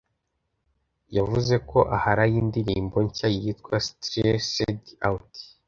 yavuze ko aharaye indirimbo nshya yitwa stressed out